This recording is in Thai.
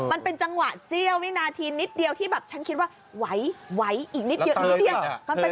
มันเป็นจังหวะเสี้ยววินาทีนิดเดียวที่แบบฉันคิดว่าไหวอีกนิดเดียวนิดเดียว